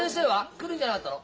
来るんじゃなかったの？